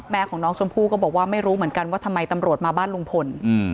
ของน้องชมพู่ก็บอกว่าไม่รู้เหมือนกันว่าทำไมตำรวจมาบ้านลุงพล